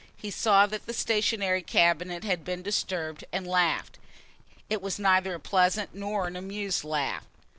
He saw that the stationery cabinet had been disturbed and laughed. It was neither a pleasant nor an amused laugh.